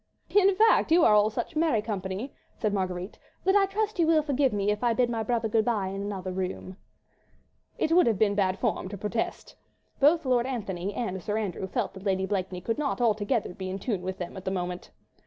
"In fact you are all such merry company," said Marguerite, "that I trust you will forgive me if I bid my brother good bye in another room." It would have been bad form to protest. Both Lord Antony and Sir Andrew felt that Lady Blakeney could not altogether be in tune with them at that moment.